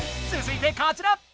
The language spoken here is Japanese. つづいてこちら！